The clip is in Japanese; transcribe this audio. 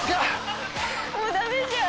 「もうダメじゃん。